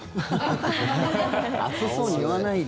暑そうに言わないで。